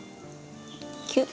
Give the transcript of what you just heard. キュッ。